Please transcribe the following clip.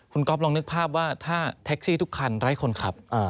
คุณก๊อฟลองนึกภาพว่าถ้าแท็กซี่ทุกคันไร้คนขับ